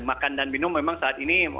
makan dan minum memang saat ini